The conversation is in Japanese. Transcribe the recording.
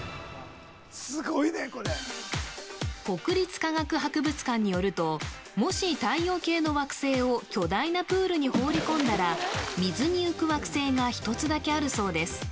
国立科学博物館によるともし、太陽系の惑星を巨大なプールに投げ込んだら水に浮く惑星が一つだけあるそうです。